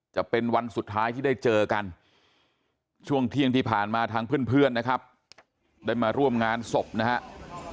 จะเป็นวันสุดท้ายที่ได้เจอกันช่วงเที่ยงที่ผ่านมาทางเพื่อนนะครับได้มาร่วมงานศพนะครับ